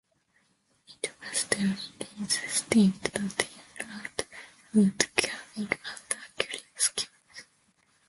It was during his stint that he learned woodcarving under Carlos Quiros.